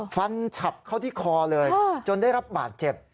ฉับเข้าที่คอเลยจนได้รับบาดเจ็บ